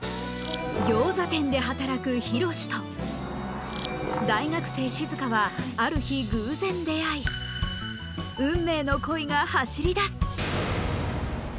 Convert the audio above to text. ギョーザ店で働くヒロシと大学生しずかはある日偶然出会い運命の恋が走りだす